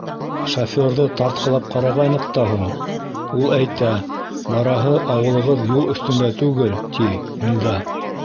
— Шофёрҙы тартҡылап ҡарағайныҡ та һуң, ул әйтә, бараһы ауылығыҙ юл өҫтөндә түгел, ти, унда